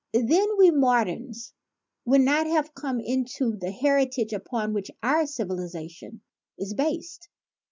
Then we moderns would not have come into the heritage upon which our civilization is based.